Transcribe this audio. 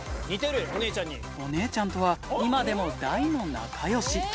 お姉ちゃんとは今でも大の仲よし。